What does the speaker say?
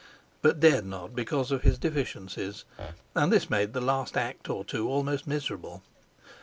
but dared not, because of his deficiencies; and this made the last act or two almost miserable.